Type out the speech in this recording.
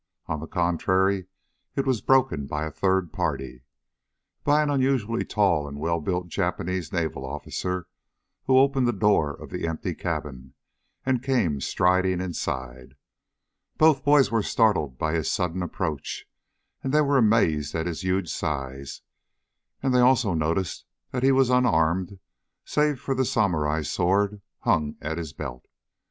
On the contrary, it was broken by a third party. By an unusually tall, and well built Japanese Navy officer who opened the door of the empty cabin and came striding inside. Both boys were startled by his sudden approach, they were amazed by his huge size, and they also noticed that he was unarmed save for the samurai sword hung at his belt.